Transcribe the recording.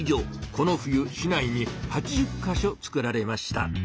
この冬市内に８０か所つくられました。